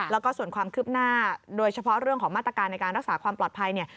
แล้วก็ส่วนความคืบหน้าโดยเฉพาะเรื่องของมาตรการในการรักษาความปลอดภัยเนี่ย